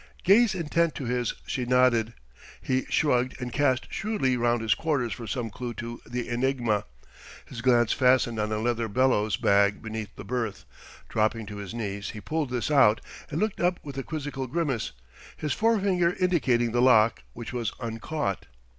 Gaze intent to his she nodded. He shrugged and cast shrewdly round his quarters for some clue to the enigma. His glance fastened on a leather bellows bag beneath the berth. Dropping to his knees he pulled this out, and looked up with a quizzical grimace, his forefinger indicating the lock, which was uncaught.